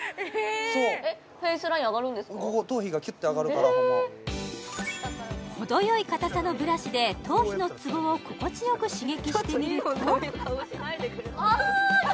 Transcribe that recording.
そうえっフェイスライン上がるんですか頭皮がキュッて上がるからかな程よい硬さのブラシで頭皮のツボを心地よく刺激してみると